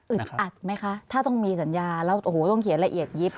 อัดไหมคะถ้าต้องมีสัญญาแล้วโอ้โหต้องเขียนละเอียดยิบ